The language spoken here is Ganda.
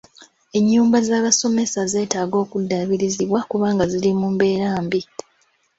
Enyumba z'abasomesa zeetaaga okuddaabirizibwa kubanga ziri mu mbeera mbi.